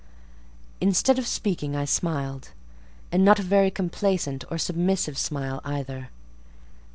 Instead of speaking, I smiled; and not a very complacent or submissive smile either.